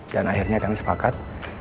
dan akhirnya kami sepakat